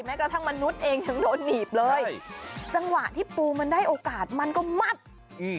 กระทั่งมนุษย์เองยังโดนหนีบเลยจังหวะที่ปูมันได้โอกาสมันก็มัดอืม